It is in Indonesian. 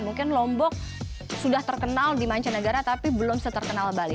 mungkin lombok sudah terkenal di mancanegara tapi belum seterkenal bali